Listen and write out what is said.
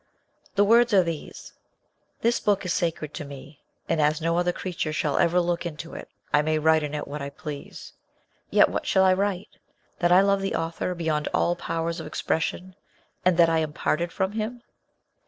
The words are these : "This book is sacred to me, and as no other creature shall ever look into it, I may write in it what I please. Yet what shall I write that I love the author beyond all powers of expression, and that I am parted from him